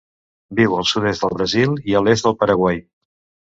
Viu al sud-est del Brasil i l'est del Paraguai.